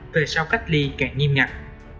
về sau cách ly càng nghiêm ngạc